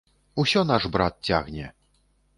Усё наш брат цягне.